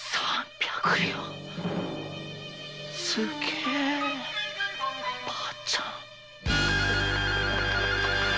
すげえッ婆ちゃん。